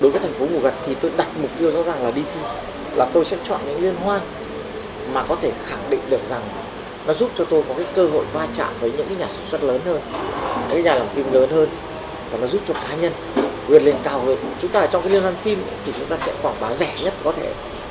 chúng ta phải cho cái lươn phim thì chúng ta sẽ quảng bá rẻ nhất có thể